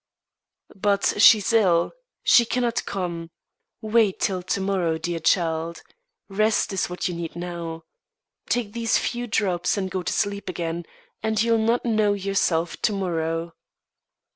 "But she's ill. She cannot come. Wait till tomorrow, dear child. Rest is what you need now. Take these few drops and go to sleep again, and you'll not know yourself to morrow."